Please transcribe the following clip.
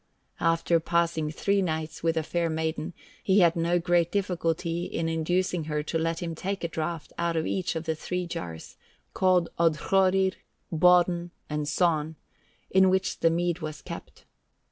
After passing three nights with the fair maiden, he had no great difficulty in inducing her to let him take a draught out of each of the three jars, called Odhroerir, Bodn, and Son, in which the mead was kept.